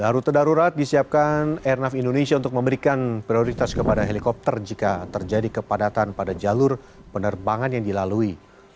rute darurat disiapkan airnav indonesia untuk memberikan prioritas kepada helikopter jika terjadi kepadatan pada jalur penerbangan yang dilalui